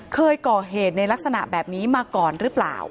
เคยก่อเหตุในลักษณะแบบนี้มาก่อนหรือเปล่า